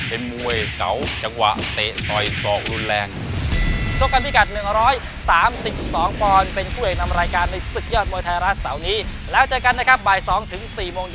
เป็นมวยเสาจังหวะเตะต่อยศอกรุนแรง